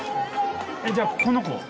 じゃあこの子。